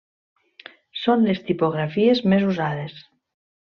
Són les tipografies més usades.